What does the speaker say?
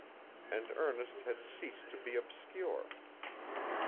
And Ernest had ceased to be obscure.